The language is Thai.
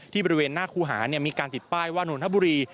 บริเวณหน้าครูหามีการติดป้ายว่านนทบุรี